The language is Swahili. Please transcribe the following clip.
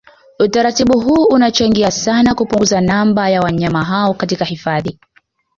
Utaratibu huu unachangia sana kupunguza namba ya wanyama hao katika hifadhi